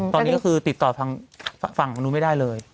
ตอนนี้ก็คือติดต่อทางฝั่งนู้นไม่ได้เลย